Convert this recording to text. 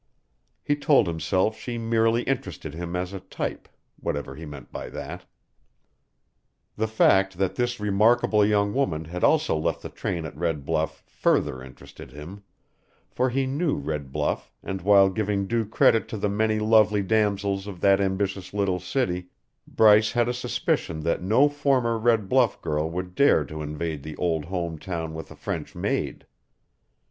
He told himself she merely interested him as a type whatever he meant by that. The fact that this remarkable young woman had also left the train at Red Bluff further interested him, for he knew Red Bluff and while giving due credit to the many lovely damsels of that ambitious little city, Bryce had a suspicion that no former Red Bluff girl would dare to invade the old home town with a French maid.